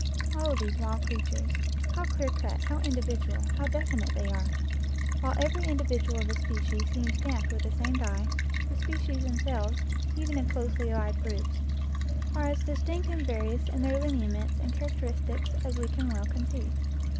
Oh, these wild creatures! How clear cut, how individual, how definite they are! While every individual of a species seems stamped with the same die, the species themselves, even in closely allied groups, are as distinct and various in their lineaments and characteristics as we can well conceive.